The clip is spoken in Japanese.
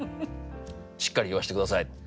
しっかり言わせて下さい。